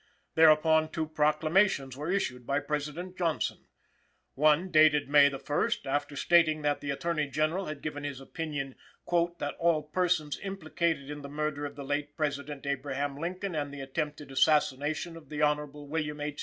Thereupon two proclamations were issued by President Johnson. One, dated May the first, after stating that the Attorney General had given his opinion "that all persons implicated in the murder of the late President, Abraham Lincoln, and the attempted assassination of the Hon. William H.